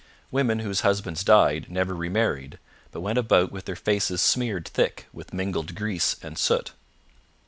Women whose husbands died never remarried, but went about with their faces smeared thick with mingled grease and soot.